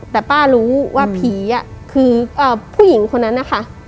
แต่ป้ารู้ว่าผีคือผู้หญิงคนนั้นนะคะ